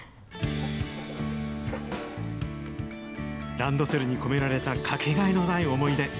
ランドセルに込められた掛けがえのない思い出。